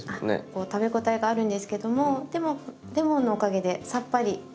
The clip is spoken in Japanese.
こう食べ応えがあるんですけどもでもレモンのおかげでさっぱりしていて。